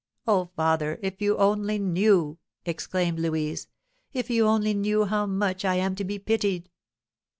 "Oh, father, if you only knew!" exclaimed Louise; "if you only knew how much I am to be pitied!"